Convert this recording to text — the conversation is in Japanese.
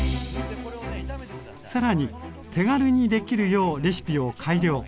更に手軽にできるようレシピを改良。